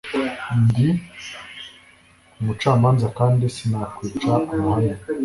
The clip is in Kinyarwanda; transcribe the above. ndi umucamanza kandi sinakwica amahame,